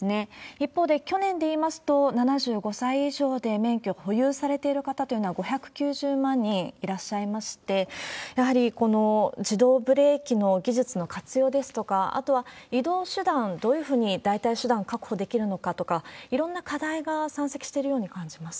一方で、去年でいいますと、７５歳以上で免許保有されている方というのは５９０万人いらっしゃいまして、やはりこの自動ブレーキの技術の活用ですとか、あとは移動手段、どういうふうに代替手段を確保できるのかとか、いろんな課題が山積してるように感じます。